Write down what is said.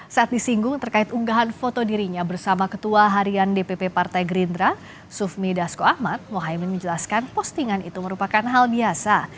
saat disinggung terkait unggahan foto dirinya bersama ketua harian dpp partai gerindra sufmi dasko ahmad muhaymin menjelaskan postingan itu merupakan hal biasa